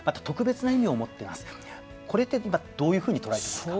これってどういうふうに捉えていますか？